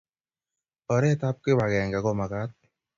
Oret ab kibakeng komakat